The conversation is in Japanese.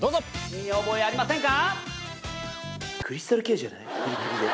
見覚えありませんか？